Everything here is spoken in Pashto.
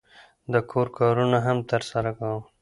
د کور کارونه هم ترسره کوم.